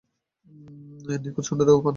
নিখুঁত ও সুন্দর পান্না খুবই দামি রত্ন।